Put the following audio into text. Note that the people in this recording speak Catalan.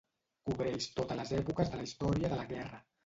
Cobreix totes les èpoques de la història de la guerra.